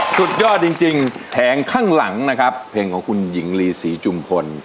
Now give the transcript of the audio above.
สุดยอดจริงแผงข้างหลังนะครับเพลงของคุณหญิงลีศรีจุมพล